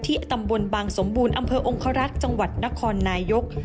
ตำบลบางสมบูรณ์อำเภอองครักษ์จังหวัดนครนายก